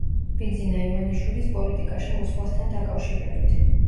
ბიძინა ივანიშვილის პოლიტიკაში მოსვლასთან დაკავშირებით.